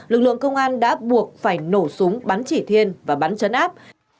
lực lượng công an đã buộc phải nổ súng bắn chỉ thiên và bắn chấn áp